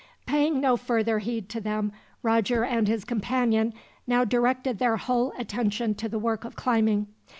Paying no further heed to them, Roger and his companion now directed their whole attention to the work of climbing.